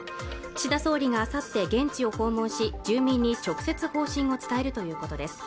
岸田総理があさって現地を訪問し住民に直接方針を伝えるということです